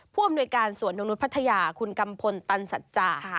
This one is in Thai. ผู้อำนวยการสวนนกนุษย์พัทยาคุณกัมพลตันสัจจา